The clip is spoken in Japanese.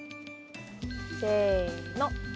せの。